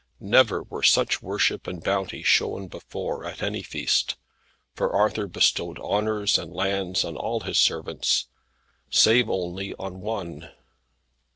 Never were such worship and bounty shown before at any feast, for Arthur bestowed honours and lands on all his servants save only on one.